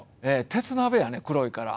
鉄鍋やね黒いから。